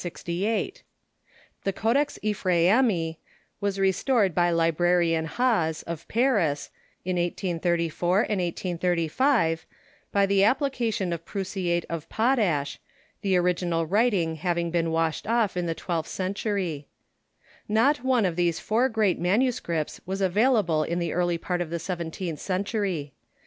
The Codex Ephraemi was restored by Librarian Ilase, of Paris, in 1834 and 1835, by the application of prussiate of potash, the original writing having been washed off in the twelfth cen tury. Not one of these four great manuscripts was availa ble in the early part of the seventeenth century.